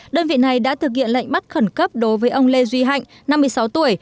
đơn vị này đã thực hiện lệnh bắt khẩn cấp đối với ông lê duy hạnh năm mươi sáu tuổi